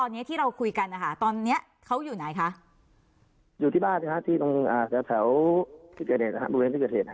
ยังเขาเรียกว่าอะไรยังรวบรวมยังไม่เสร็จค่ะ